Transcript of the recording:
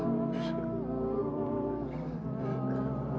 aku seorang jelajah